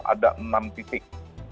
ada enam titik